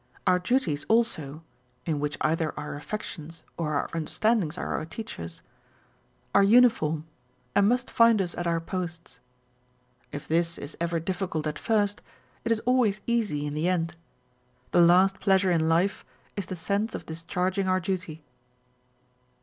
Our duties also (in which either our affections or our understandings are our teachers) are uniform, and must find us at our posts. If this is ever difficult at first, it is always easy in the end. The last pleasure in life is the sense of discharging our duty.